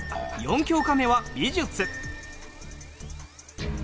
４教科目は美術。